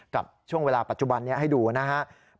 กับช่วงเวลาปัจจุบันนี้ให้ดูนะครับ